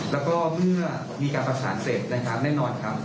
แล้วก็เมื่อมีการประสานเสร็จนะครับแน่นอนครับ